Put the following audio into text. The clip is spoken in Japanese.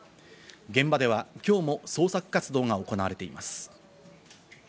現場ではきょうも捜索活動が行われています。